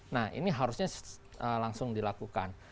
nah ini harusnya langsung dilakukan